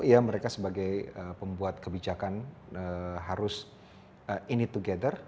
ya mereka sebagai pembuat kebijakan harus in i together